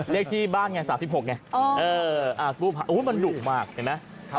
เลขที่บ้านไง๓๖ไงกู้ภัยมันดุมากเห็นไหม